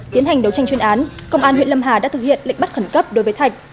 tiến hành đấu tranh chuyên án công an huyện lâm hà đã thực hiện lệnh bắt khẩn cấp đối với thạch